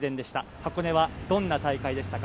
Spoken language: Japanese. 箱根はどんな大会でしたか？